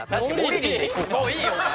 もういいよお前。